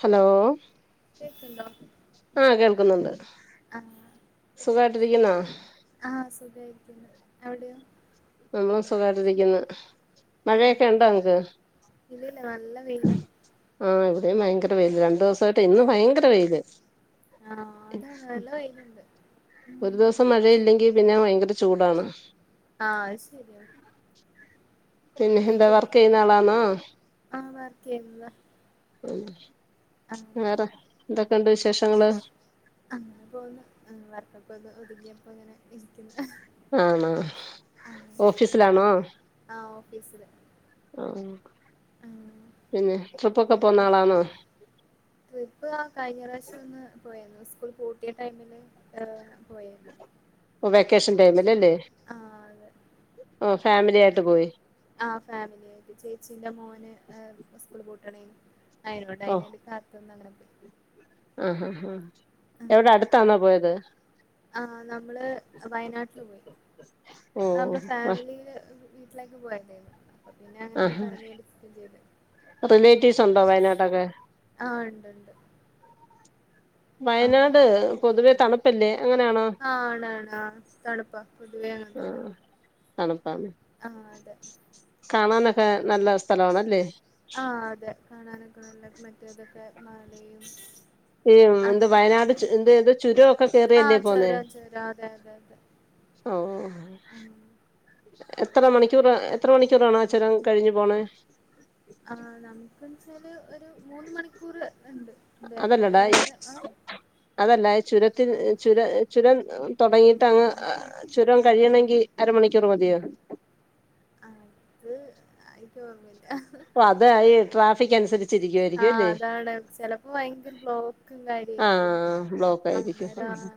Hello കേക്ക്ണ്ടോ ആഹ് കേൾക്കുന്നുണ്ട് ആഹ് സുഖായിട്ട് ഇരിക്കുന്നോ ആഹ് സുഖായിരിക്കുന്നു അവിടെയോ നമ്മളും സുഖായിട്ടിരിക്ക്ന്ന് മഴയൊക്കെ ആഹ് ഇണ്ടോ അങ്ങട്ട് ഇല്ലല്ല നല്ല വെയിലാ ആഹ് ഇവിടെയും ഭയങ്കര വെയില് രണ്ടൂസായിട്ട് ഇന്ന് ഭയങ്കര വെയില് ആഹ് അതാണ് നല്ല വെയില്ണ്ട് ഒരു ദിവസം മഴയില്ലെങ്കി പിന്നെ ഭയങ്കര ചൂടാണ് ആഹ് അഅ് സരിയാ പിന്നെ എന്താ വർക്കെയ്യ്ന്ന ആളാന്നോ ആഹ് വർക്ക് ചെയ്യുന്നതാ ആഹ് വേറെ എന്തൊക്കെണ്ട് വിശേഷങ്ങള് അങ്ങനെ പോവുന്ന് വർക്കൊക്കെ ഒന്ന് ഒതുങ്ങിയപ്പോ ഇങ്ങനെ ഇരിക്കുന്നു ആണോ ആഹ് ഓഫീസിലാണോ ആഹ് ഓഫീസില് ആഹ് ആഹ് പിന്നെ ട്രിപ്പൊക്കെ പോന്ന ആളാണോ ട്രിപ്പ് ആ കഴിഞ്ഞ പ്രാവ്ശ്യം ഒന്ന് പോയേര്ന്നു സ്കൂൾ പൂട്ടിയ ടൈമില് ഏ്ഹ് പോയേര്ന്നു ഓ വെക്കേഷൻ ടൈമിലല്ലേ ആഹ് അതെ ഓഹ് ഫാമിലി ആയിട്ട് പോയി ആഹ് ഫാമിലേയ്റ്റ് ചേച്ചീന്റെ മോന് ഏ് സ്കൂൾ പൂട്ട്ണീ അതിനോണ്ട് അയിന് വേണ്ടി കാത്ത്ന്നങ്ങനെ പോയി ആഹ്ഹാ എവിടെ അടുത്താന്നാ പോയത് ആഹ് നമ്മള് വയനാട്ടില് പോയി ഓ നമ്മള് ആ ഫാമിലീല് വീട്ടിലേക്ക് പോയതേന്നു ആഹ് റിലേറ്റീവ്സ് ഉണ്ടോ വയനാട്ടൊക്കെ ആഹ് ഉണ്ട്ണ്ട് വയനാട് പൊതുവെ തണുപ്പല്ലേ അങ്ങനാണോ ആഹ് ആണാണാ തണുപ്പാ പൊതുവേ അങ്ങനതന്നെ ആഹ് തണുപ്പാണ് ആഹ് അതെ കാണാനൊക്കെ നല്ല സ്ഥലവാണല്ലേ ആഹ് അതെ കാണാനൊക്കെ നല്ലെ മറ്റേതൊക്കെ മാലീവ്സ് ഈ എന്ത് വയനാട് ചു എന്ത് ഏത് ചുരുഒക്കെ കേയറിയല്ലേ പോന്നെ താ അതെ അതെ അതെ ഓഹ് ആഹ് എത്ര മണിക്കൂറാ എത്ര മണിക്കൂറ് ആണ് ആ ചുരം കഴിഞ്ഞു പോണെ ആഹ് നാം എന്ന് വെച്ചാല് ഒരു മൂന്ന് മണിക്കൂർ ഇണ്ട് എന്തായാലും അതല്ലടാ രണ്ടര ആഹ് അതല്ല ചുരത്തിന് ചുരം ചുരം തൊടങ്ങിയിട്ട് എത്ര അങ്ങ് ഉണ്ടെന്ന് ചുരം കഴിയണെങ്കി അരമണിക്കൂർ മതിയോ അത് അഅ് ഇൻക്ക് ഓർമ്മയില്ല ഓഹ് അതാ ഈ ട്രാഫിക് അനുസരിച്ച് ആഹ് അതാണ് ചെലപ്പോ ഭയങ്കര ബ്ലോ ക്കും കാര്യോം ആയിരിക്കും ആഹ് ബ്ലോക്ക് ആയിരിക്കും അന്നേരം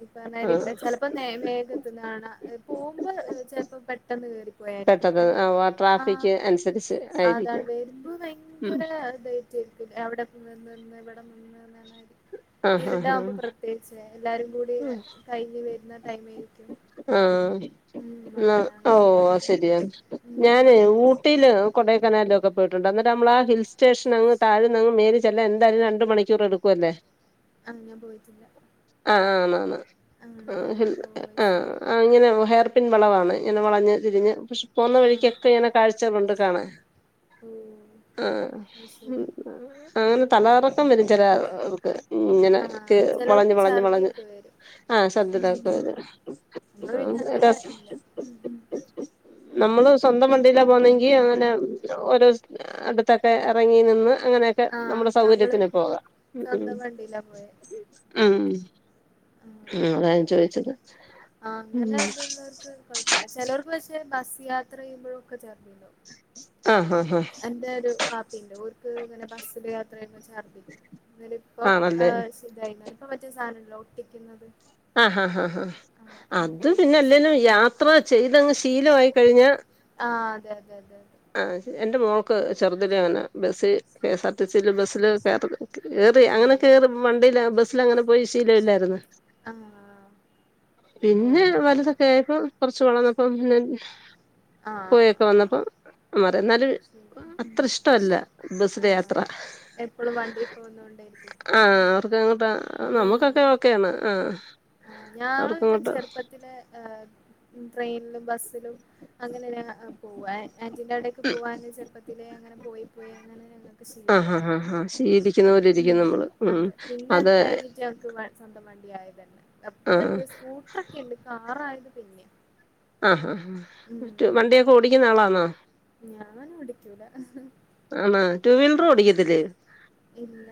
ഈ പറഞ്ഞായ്രി ആഹ് ചെലപ്പോ നേ. വേഗം എത്തുന്ന കാണാ പോവ്മ്പോ ചെൽപ്പം പെ പെട്ടെന്ന് കേറിപ്പോയാരിണ്ടാവും പെട്ടത് ഏഹ് ആ ആഹ് ട്രാഫിക് അനുസരിച്ച് അതാണ് ആയിരിക്കും വരുമ്പോ ഉം ഭയങ്കര അവിടെ ഡേറ്റ് തരുത്തില്ലേ അവിടെ നിന്ന് ഇവിടെ നിന്ന് നിന്ന് ആഹ് ഇരുട്ടാ ആഹ് ആകുമ്പോ പ്രത്യേകിച്ച് എല്ലാരും കൂടി ആഹ് കഴിഞ്ഞു വരുന്ന ടൈം ആയിക്കും ആഹ് എന്നാ അങ്ങനെ ഓഹ് അത് ശരിയാ ഉം ഞാന് ഊട്ടിയില് കൊടെയ്കനാൽല് ഒക്കെ പോയിട്ടുണ്ട് അന്നിട്ട് നമ്മൾള്ആ ഹിൽ സ്റ്റേഷൻ അങ്ങ് താഴ്ന്ന് ങ്ങനെ മോലെ ചെല്ലാൻ എന്തായാലും രണ്ടു മണിക്കുർ മണിക്കൂറ് എടുക്കുവല്ലേ ആഹ് ഞാൻ പോയിട്ടില്ല ആഹ് ആണാണ് ആണല്ലേ ആഹ് ആഹ് ഓ അയ്ശരി ആഹ് അങ്ങെനെ ഹെയർ പിൻ വളവണ് ഇങ്ങനെ വളഞ്ഞു തിരിഞ്ഞ് പക്ഷെ പോന്ന ആഹ് വഴിക്കൊക്കെ ഇങ്ങനെ കാഴ്ചകളുണ്ട് കാണാൻ ഓ ആഹ് അത് ശരി അങ്ങനെ തല കറക്കം വരും ചിലവർക്ക് ഉം ഇങ്ങനെ കേ ആഹ് വളഞ്ഞ് ചെലോർക്ക് വളഞ്ഞ് വളഞ്ഞ് ഛർദിയൊക്കെ വരും ആ ശ്രധതാക്കരത് നമ്മള് പിന്നെ സൈഡാ അങ്ങനെ ഇല്ല നമ്മള് സ്വന്തം വണ്ടിയിലാ പോകുന്നെങ്കിൽ അങ്ങനെ ഓരോ അടുത്തൊക്കെ ഇറങ്ങി നിന്ന് അങ്ങനെയൊക്കെ ആഹ് നമ്മുടെ നമ്മള് സൗകര്യത്തിന് പോകാം ഉം ഉം സ്വന്തം വണ്ടിയിലാ പോയെ ഉം ആഹ് അതാ ഞാൻ ചോദിച്ചത് ആഹ് ഉം അങ്ങനെ ഇതുള്ളവർക്ക് കൊഴപ്പമില്ല ചിലവർക്ക് പക്ഷേ ബസ് യാത്ര ചെയ്യുമ്പോഴും ഒക്കെ ശർദ്ദി ഉണ്ടാവും ആഹ് ആഹ് ആഹ് എന്റെ ഒരു പാർട്ടി ഉണ്ട് ഒര്ക്ക് ഇങ്ങനെ ബസ്സില് യാത്ര ചെയ്യുമ്പോൾ ശർദിക്കും എന്നാല് ഇപ്പം ആണല്ലേ ഇതായിട്ടുണ്ട് ഇപ്പ മറ്റേ സാധനമുണ്ടല്ലോ ഒട്ടിക്കുന്നത് ആഹ് ഹാ ആ ഹ് ഹാ ആഹ് അത് പിന്നെ അല്ലെലും വെച്ച് യാത്ര ചെയ്തങ്ങ് ശീലമായി കഴിഞ്ഞാ ആഹ് അതെ അതെ അതെ അതെ ആഹ് എന്റെ മോൾക്ക് ചെറുതിലെ അങ്ങനാ bus K S R T C bus കേറി അങ്ങനെ ആണല്ലേ കേറി വണ്ടി ബസ്സിൽ അങ്ങനെ പോയി ശീലം ഇല്ലായിരുന്നു ആഹ് പിന്നെ ഓഹ് വലുതൊക്കെ ആയപ്പോ കൊറച്ച് വളർന്നപ്പം പിന്നെ ആഹ് പോയൊക്കെ ആഹ് വന്നപ്പോ മാറി എന്നാലും ശരി അത്ര ഇഷ്ടമല്ല ബസിലെ യാത്ര ആഹ് എപ്പളും വണ്ടി പോന്നോണ്ടായിരിക്കും ആഹ് അവർക്കു അങ്ങോട്ട ഉം നമ്മുക്കൊക്കെ ഓക്കെയാണ് ആഹ് ആഹ് ഞങ്ങള് പിന്നെ അവർക്കങ്ങോട്ട് ചെറുപ്പത്തിലെ ട്രെയിനിലും ബസ്സിലും അങ്ങനെ പോവാ ആന്റിന്റെ അവിടേക്ക് പോവാൻ ചെറുപ്പത്തിലെ അങ്ങനെ പോയി പോയി അങ്ങനെ ഞങ്ങക്ക് ആഹ് ശീലമായതാ ആഹ് ആഹ് ആഹ് ശീലിക്കുന്ന പോലെ ഇരിക്കും ഉം നമ്മള് ഉം അതെ പിന്നെ അത് കഴിഞ്ഞിട്ട് ഞങ്ങക്ക് സ്വന്തം വണ്ടി ആയത് തന്നെ ആഹ് ഇതുണ്ട് സ്കൂട്ടർ ഒക്കെ ഉണ്ട് കാറായത് പിന്നെയാ ആഹ് ഹാ ഹാ വണ്ടി ഒക്കെ ഓടിക്കുന്ന ആളാണോ ഞാൻ ഓടിക്കൂല ആണോ ടു വീലർ ആഹ് ഓടിക്കത്തില്ലേ ഇല്ല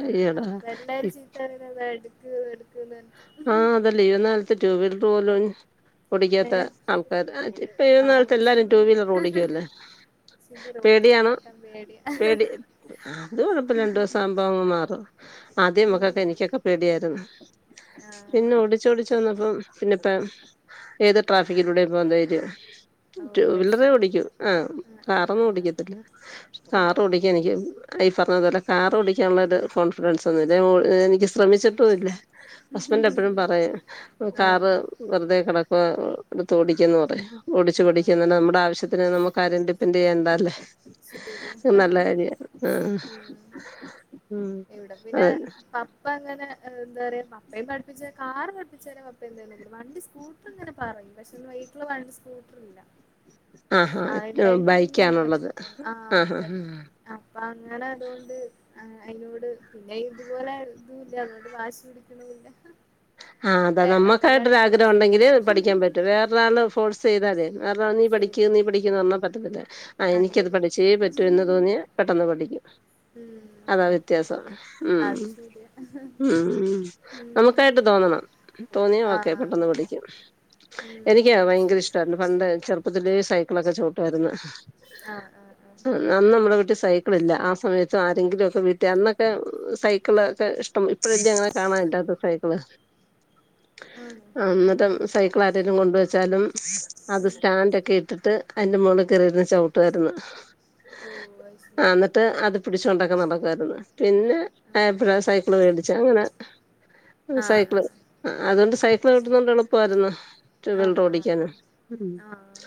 അയ്യടാ അപ്പ എല്ലാരും ചീത്ത പറയുന്നത് അതാ എടുക്ക് എടുക്ക് ആഹ് അതല്ലെ ഇന്ന വന്ന കാലത്ത് ട്യൂ വീലർ പോലും ഓടിക്കാത്ത ഏഹ് ആൾക്കാർ ഇപ്പ ഈ വന്ന ആൾക്കാർ എല്ലാരും ആവശ്യല്ല ടു വീലർ ഓടിക്കുവല്ലേ എനിക്ക് റോട്ടിലേക്ക് പേടിയണോ എറക്കാൻ പേടിയാ പേടി അത് കൊഴപ്പില്ല രണ്ടോസം പ്പാമ്പങ്ങ് മാറും ഉം ആദ്യംമക്കൊക്കെ എനിക്കൊക്കെ പേടിയാരുന്നു ആഹ് പിന്നെ ഓടിച്ചോടിച്ചു വന്നപ്പം പിന്നെപ്പം ഏത് ട്രാഫിക്കിലൂടേം പോവാൻധൈര്യാ ഓഹ് അത് ടൂവീലറെ ശരി ഓടിക്കൂ ആഹ് ആഹ് കാറൊന്നും ആഹ് ആഹ് ഓടിക്കത്തില്ല കാറ് ആഹ് ഓടിക്കാനിക്ക് ഈ പറഞ്ഞതുപോലെ കാറ് ഓടിക്കാനുള്ള ഒരു കോൺഫിഡൻസൊന്നുല്ലാ ഓട് എനിക്ക് ശ്രമിച്ചിട്ടും ഇല്ല ഹസ്ബെന്റ് എപ്പഴും പറയും ആഹ് ആഹ് കാറ് വെറുതെ കെടക്കുവാ എടുത്തോടിക്കെന്നു പറയും ഓടിച്ച് ആഹ് പഠിക്കന്നരം നമ്മടെ ആവശ്യത്തിന് നമുക്കാരേം ഡിപ് എന്ത്യ്യാ എന്താല്ലേ നല്ല കാര്യാ ആഹ് ഉം ഇവിടെപ്പിന്നെ ഏഹ്. പപ്പ അങ്ങനെ ഇഹ് എന്താറയ്യാ പപ്പേം പഠിപ്പിച്ചെ കാറ് പഠിപ്പിച്ചരോ ഇപ്പ എന്തേ [unintelligible] വണ്ടി സ്കൂട്ടർന്ന്ങ്ങനെ പറയും പക്ഷെ വെയ്ക്ക്ള് വണ്ടി സ്കൂട്ര് ഇല്ല ആഹാ ആഹ് ഇണ്ടായിരുന്നുപിന്നെ അങ്ങനെ ബൈക്കാണുള്ളത് പടിക്കൻ ആഹ് ആഹാ അതന്നെ ഹാ. അപ്പൊ അങ്ങനെ അതോണ്ട് ആഹ് എന്നോട് പിന്നെ ഇതുപോലെ ഇതൂല്ല്യ അതോണ്ട് വാശി പിടിക്കണൂല്ല ആഹ് അതാ നമ്മക്കായിട്ട് ഒരാഗ്രഹം ഒണ്ടെങ്കില് പഠിക്കാമ്പറ്റും വേ വേറെ ഒരാൾ ഫോഴ്സ് ചെയ്താലേ വേറൊരാൾ ആ നീ പഠിക്ക് ശരിയാ നീ പഠിക്കന്ന് പറഞ്ഞാൽ പറ്റത്തില്ല ആഹ് അത് എനിക്കത് പഠിച്ചേ പറ്റൂ എന്ന് തോന്നിയാ പെട്ടെന്ന് പഠിക്കും ഉം അതാ അതെ വ്യത്യാസം ഉം അത് ശരിയാ ഉം ഉം നമുക്കായി അവർക്ക് തോന്നണം തോന്നിയാ ഓക്കെ ആഹ് പെട്ടെന്ന് പഠിക്കും ഉം എനിക്ക് ഭയങ്കര ഇഷ്ടായിരുന്നു പണ്ട് ചെറുപ്പത്തിലേ സൈക്കിളൊക്കെ ചവിട്ടുവാരുന്നു ആഹ് ആഹ് അന്ന് നമ്മടെ വീട്ടി സൈക്കിളില്ല ആ സമയത്തു ആരെങ്കിലുവൊക്കെ വീട്ടി അന്നൊക്കെ സൈ സെയ്‌ക്കിള് ഒക്കെ ഇഷ്ടം ഇപ്പഴല്ലേ അങ്ങനെ കാണാൻ കിട്ടാത്തെ സൈക്കിള് ആഹ് ആഹ് അന്നിട്ടം ആഹ് ആഹ് സൈക്കിള് ആരേലും കൊണ്ടുവച്ചാലും അത് സ്റ്റാൻഡൊക്കെ ഇട്ടിട്ട് അയിന്റെ മോളികേറിയിരുന്ന് ചവിട്ടുവാരുന്നു ഓഹ് അയ്ശെയി എന്നിട്ട് അത് പിടിച്ചോണ്ടൊക്കെ നടക്കുവാരുന്നു പിന്നെ എപ്പഴാ സൈക്കിള് വേടിച്ചെ അങ്ങനെ ആഹ് സൈക്കിള് ആഹ് അതോണ്ട് സൈക്കിള് ചവിട്ടുന്നോണ്ടെളുപ്പായിരുന്നു ആഹ് റ്റൂവീൽന്റർ ആഹ് ആഹ് ഓടിക്കാന് ആഹ് ആഹ്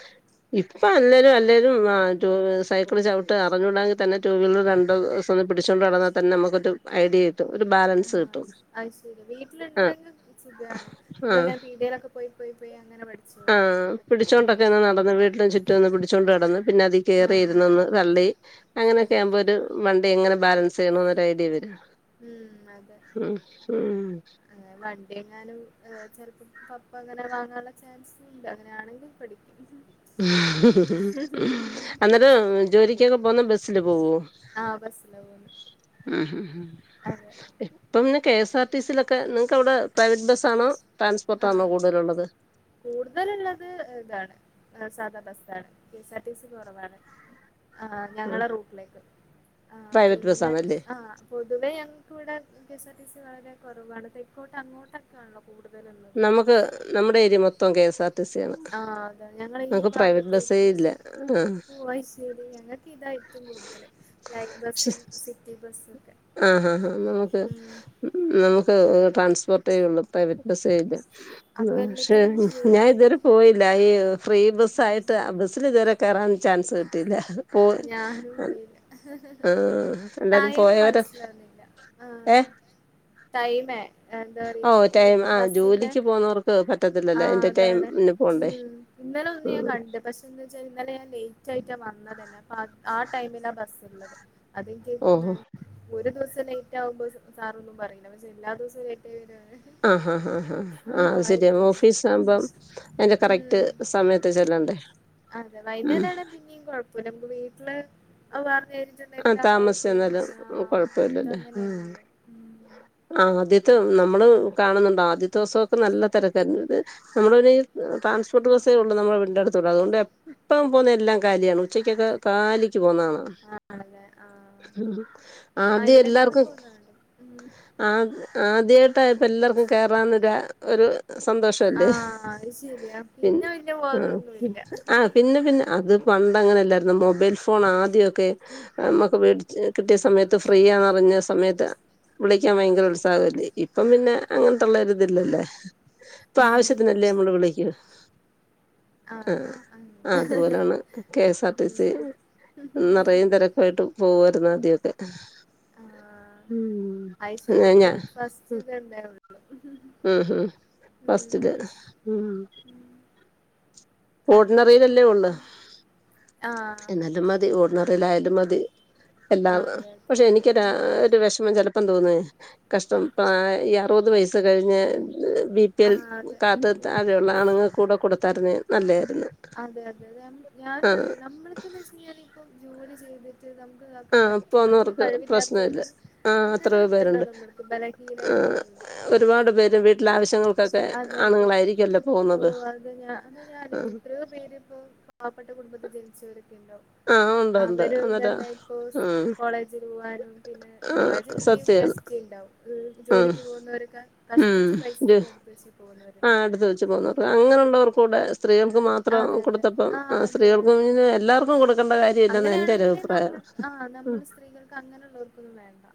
ഇപ്പം അല്ലേരും അല്ലേലും ആഹ് ടൂവീല് സൈക്കിള് ചവിട്ട് അറിഞ്ഞൂടാങ്കിത്തന്നെ ടൂ വീൽറ് രണ്ട് ദോസം ഒന്ന് പിടിച്ചോണ്ട് നടന്നാത്തന്നെ നമുക്കൊരു ഐഡിയ കിട്ടും ഒരു ബാലൻസ് കിട്ടും അയ്ശെരി വല്ലിയ വീട്ടിൽ ആ ഉണ്ടെങ്കിൽ സുഖാണ് ആ നമ്മളങ്ങനെ പീഡയേലൊക്കെ പോയി പോയി പോയി അങ്ങനെ ആ പഠിച്ചോളും പിടിച്ചോണ്ടൊക്കെ അങ്ങനെ നടന്നു ഇരിക്കത് വീട്ട്ന് ചു ചുറ്റു ഒന്ന് പിടിച്ചോണ്ട് നടന്ന് പിന്നതീ ആഹ് കേറിയിരുന്നൊന്ന് തള്ളി അങ്ങനെയൊക്കെ ശരിയ ആവുമ്പോ ഒരു വണ്ടി എങ്ങനെ ബാലൻസ് ചെയ്യണംന്നൊരഡിയ വരും ഉം ഉം ഉം ആഹ് വണ്ടിഎങ്ങാനും ആഹ് ചെൽപ്പം പപ്പ അങ്ങനെ വാങ്ങാൻള്ള ചാൻസുഇല്ല അങ്ങനെയാണെങ്കിൽ പടിക്കും അന്നരം ജോലിക്കൊക്കെ പോന്നെ ബസ്സില് പോവോ ആഹ് ബസ്സിലാ പോവുന്നെ ഉംഹ് ഹ് അതെ ഇപ്പം പിന്നെ കെ എസ് ആർ ടി സിയിലൊക്കെ നിങ്ങക്ക് അവിടെ പ്രൈവറ്റ് ബസ്സാണോ ട്രാൻസ്പോർട്ടാണോ കൂട്തലൊള്ളത് കൂട്തല്ള്ളത് ഇതാണ് ആഹ് സാധാ ബസ് ആണ് K S R T C കൊറവാണ് ആഹ് ആ ഞങ്ങളെ റൂട്ട്ലേക്ക് ആഹ് പ്രൈവറ്റ് പിന്നെ ബസ്സാണല്ലേ ആഹ് പൊതുവേ ഞങ്ങക്കിവിടെ K S R T C വളരെ കൊറവാണ് തെക്കോട്ട് അങ്ങോട്ടൊക്കെ ആൺലോ കൂട്തലിന്ന് നമുക്ക് നമ്മുടെ ഏരിയ മൊത്തം K S R T C ആണ് ആഹ് അതെ ഞങ്ങളെ ഈ നമുക്ക് പ്രൈവറ്റ് ബസ്സേ ഭാഗത്തേക്ക് ഇല്ല ആ പൂവൈശ് ശരി ഞങ്ങക്കിതാ ഏറ്റവും കൂടുതല് പക്ഷെ ലൈൻബസ്സും സിറ്റീ ബസ്സുഒക്കെ ആ ഹാ ഹ നമുക്ക് നമുക്ക് ട്രാൻസ്പോർട്ട് ഇള്ളപ്പോ അപ്പൊ [unintelligible] പക്ഷെ എല്ലാത്തിലും ഫ്രീ ഞാൻ ഇതുവരെ ആയിരിക്കുംല്ലേ പോയില്ല ഫ്രീ ബസ്സ് ഉം ആയിട്ട് ആ ബസ്സിൽ ഇതുവരെ കയറാൻ ചാൻസ് കിട്ടില്ല പോ ഞാനും ആ പോയില്ല എന്താലും ടൈം പോയവരെ മനസ്സിലാവുന്നില്ല ഏ ആഹ് ടൈം എന്താ പറയാ ഈ ബസിന്റെ വന്നോര്ക് പറ്റത്തില്ല ആഹ് അതാണ് ഉം ഇന്നലെ ഒന്ന് ഞാൻ കണ്ട പക്ഷെ എന്താ വച്ചാ ഇന്നലെ ഞാൻ ലേറ്റ് ആയിട്ടാ വന്നത് തന്നെ അപ്പൊ ആ ടൈമിലാ ബസ്സ ഉള്ളത് അതെ കേ ഓ ഒരു ദിവസം ലേറ്റ് ആകുമ്പോ സാറൊന്നും പറയില്ല പക്ഷെ എല്ലാ ദിവസവും ലേറ്റ് ആയി വര ആ ഹാ ആാ ഹാ ആഹ് അത് ശരിയാ ഓഫീസ് ആകുമ്പം എന്റെ കറക്റ്റ് ഉം സമയത്ത് ചെല്ലണ്ടേ അതെ ഉം വൈകുന്നേരണ പിന്നെയും കുഴപ്പമില്ല വീട്ടില് ആ പറഞ്ഞഞ്ഞിട്ട്ുണ്ടെങ്കിലിൽ ആ താമസിച്ച് ഓക്കേന്ന് ചെന്നാലും പററ ആ ഇത കൊഴപ്പല്ലല്ലേ ഉം അങ്ങനെയല്ലല്ലോ ഉ ആദ്യത്തെ നമ്മള് കാണുന്നുണ്ട് ആദ്യത്തെ ദിവസമൊക്കെ നല്ല രക്കാര ഇത് നമ്മള ഒരു ട്രാൻസ്പോർ് ബസേ ഉള്ള നമ്മുടെെടുത്ത് അതുകൊണ്ട് എപ്പം പോുന്ന എല്ലാം കാലിയാണ് ഉച്ചക്കൊക്കെ കാലിക്ക് പോകുന്നതാണ് ആഹ് ആ ആദ്യം ഇവിടെ ഇന്നലെ എല്ലാർക്കും പോന്നതാണ് ഉം ആ ആദ്യമായിട്ട് ഇപ്പോ എല്ലാവർക്കും കേയറന്നൊരു ഒരു സന്തോഷല്ലേ ആഹ് അത് ശരിയാ പി പിന്നെ വല്യ ആ ബോധൊന്നുല്ല ആ പിന്നെ പിന്നെ അത് പണ്ട അങ്ങനെല്ലായിരുന്നു മൊബൈൽ ഫോൺ ആദ്യമൊക്കെ നമ്മുക്ക്ടി കിട്ടിയ സമയത്ത് ഫ്രീ ആന്ന്റിഞ്ഞ സമയത്ത് വിള ിക്കാൻ ഭയങ്കര ഉത്സാഹല്ലേ ഇപ്പം പിന്നെ അങ്ങനത്തുള്ളരി ഇതില്ലല്ലേ ഇപ്പൊ ആവശ്യത്തിനല്ലേ നമ്മള് വിളിക്ക ആഹ് അതുപോലാണ് K S R T C ഉം തിരക്കയിട്ട് പോവരുന്നു ആദ്യൊക്കെ ആഹ് ഞാ [unintelligible] ഉ ഉ ഉം ഹം ഫസ്റ്റ്ത് ഉം അങ്ങനെ ഓർഡിനറിൽല്ലേ ഉള്ള ആഹ് എന്നാലും മതി ഓർണറിൽായാലും മതി എല്ലാ ആഹ് അതെ അതെ പക്ഷെ എനക്ക്രു ഉം ഒരു വിഷമം ചെിലപ്പം തോന്നേ കഷ്ടം ഉം ഈ അറുപത് വയസ്സ് കഴിഞ്ഞ് ബി പി എൽ ആഹ് അതെ കാർഡ് താഴെയുള്ള ആണുങ്ങൾ കൂടെ കൊടുത്തായിരരുന്നു നല്ലതായിരുന്നു അതെ അതെ അതെ ഞാനും അ ആഹ് നമ്മൾക്കന്ന് വെച്ച കഴിഞ്ഞാാന ഇപ്പ ജോലി ചെയ്തിട്ട് നമുക്ക് ഇതക്കാൻ ആഹ് പറ്റൂ നമുക്ക് പോന്നവർക്ക് കഴിവില്ലാത്ത പ്രശ്നമില്ല ആഹ് അങ്ങനെ എത്രയോ ഉണ്ടല്ലോ പേരുണ്ട് നമ്മുക്ക് ബലഹീനത ആഹ് ഉണ്ടല്ലോ ഒരുപാട് പേര് വീട്ടില ആവശ്യങ്ങൾ അതെ അതെ ഓ അതെ ഞ അതാ ഞേ ആഹ് ഇത്രയോ പേരിപ്പോ പാവപ്പെട്ട കുടുംബത്തെ ജനിച്ചവരൊക്കെ ഉണ്ടോ ആഹ് ഉണ്ട് ഉണ്ട് അവര് അന്നേരം തന്നെ ഇപ്പോ ഉം കോളേജിൽ പോവാനും പിന്നെ ആഹ് കോളേജ പിന്ന സത്യാണ് ച്ച ഉണ്ടാവും ഉം ജോലക്ക് പോകുന്നവർക്കെ കഷ്ടിച്ച് പൈസയൊക്കെ അടുപ്പ വെ ആ അടുത്ത വെച്ചു പോന്നവർ അങ്ങനെുള്ളവർക്ക കൂടെ സ്ത്രീകൾക്ക് മാത്രം അതെ അതെ കൊടുത്തപ്പം ആ അതെ സ്ത്രീകൾും ആ ഇെ എല്ലാവർക്കും കൊടുക്ക അങ്ങനെയാണെങ്കില് നമ്മൾ ആഹ് ഉം നമ്മൾ സ്ത്രീകൾക്ക് അങ്ങനെള്ളവർക്കൊന്നും വേണ്ട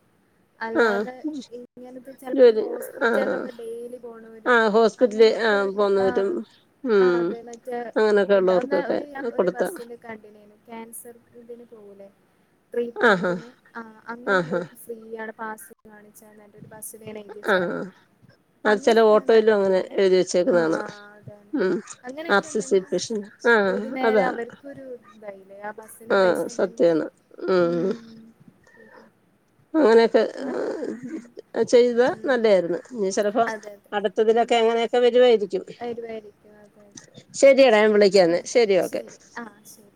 ആഹ് അല്ലാതെ ഇങ്ങനത്തെ ചിലപ്പോ ഈ ജോലി ആഹ് ഹോസ്പിറ്റലിലൊക്കെ ഡെയിലി പോണര് ആഹ് ഹോസ്പിറ്റല് ആഹ് അങ്ങനെരക്കൊക്കെ ആ പോന്നവരും ആ് ഉം അതെ മറ്റേ അങ്ങനെയൊക്കെ ഇതി ഒന്ന് ഉള്ളവർക്കൊക്കെ ഞാ ഒരു കൊടുത്ത ബസ്സിന്റെ കണ്ടില്ലെന്നു ക്യാൻസർക് ഇതിൻ പോവൂല്ലെന്ന് ആഹാ ട്രെട്മെന്റിന് ആ ആഹാ അങ്ങളോർക്ക് ഫ്രീ ആണ് പാസ് കാണിച്ച ഒരു ബസ്സില്ൻ ആഹ് എഴുതിച്ചണ്ട് അപ്പ അത് ചെല അങ്ങനെയൊക്കാണ് ഓട്ടോയിലും അങ്ങനെ നല്ലതന്നെ എഴുതി വെച്ചേക്കുന്ന ആ കാണാം അതാണ് ഉം ആർ അങ്ങനെയൊക്കെ സി സി ഉണ്ടെങ്കിലും പെഷൻ ആഹ് ഒരു നേരം അതാ അവർക്കൊരു ഇതല്ലേ ആ ബസ്സിന്റെ പൈസ ആഹ് ഉന്തെങ്കിലും സത്യാണ് ഉം ഉം ശെരി അങ്ങനെയൊക്കെ ചെയ്താ ഉം നല്ലായിരുന്നു ഇനി ചിലപ്പോ അതെ അതെ ഉം അട്ത്തതിലൊക്കെ അങ്ങനെയൊക്കെ വരുവായിരിക്കും വരുവായിരിക്കും അതെ അതെ ശരിയടാ ഞാൻ വിളിക്കാന്ന് ആഹ് ഓക്കെ ശരി ആഹ് ശരി